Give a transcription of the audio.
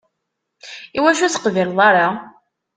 Iwacu ur teqbileḍ ara?